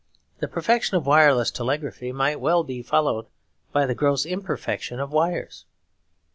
The perfection of wireless telegraphy might well be followed by the gross imperfection of wires.